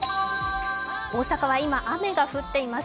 大阪は今、雨が降っています。